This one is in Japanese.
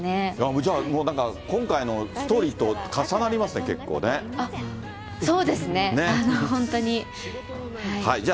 じゃあ、なんか今回のストーリーと重なりますね、結構ね。